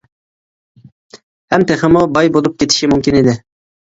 ھەم تېخىمۇ باي بولۇپ كېتىشى مۇمكىن ئىدى.